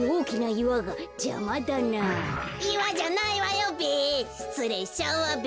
いわじゃないわよべ。